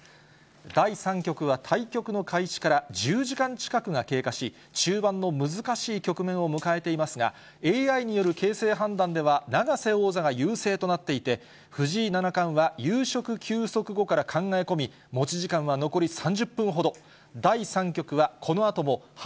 第３局は対局の開始から１０時間近くが経過し、中盤の難しい局面を迎えていますが、ＡＩによる形勢判断では、永瀬王座が優勢となっていて、藤井七冠は夕食休息後から考え込み、持ち時間は残り３０分ほど。